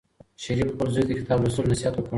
شریف خپل زوی ته د کتاب لوستلو نصیحت وکړ.